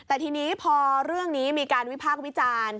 แต่ทีนี้พอเรื่องนี้มีการวิพากษ์วิจารณ์